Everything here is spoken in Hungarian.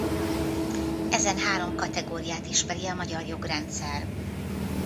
Ezen három kategóriát ismeri a magyar jogrendszer.